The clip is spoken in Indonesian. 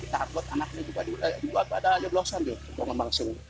takut anak ini juga ada blok sandu